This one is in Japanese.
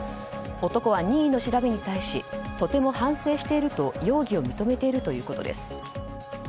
男は任意の調べに対しとても反省していると容疑を認めているということです。